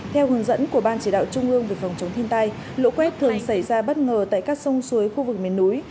theo hướng dẫn của ban chỉ đạo trung ương về phòng chống thiên tai lũ quét thường xảy ra bất ngờ tại các sông suối khu vực miền núi